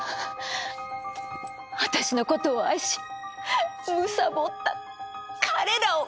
私のことを愛しむさぼった彼らを返して！